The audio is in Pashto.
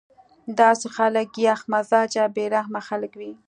داسې خلک يخ مزاجه بې رحمه خلک وي